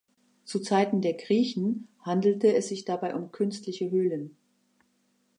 Zu Zeiten der Griechen handelte es sich dabei um künstliche Höhlen.